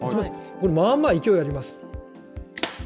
これまあまあ勢いあります。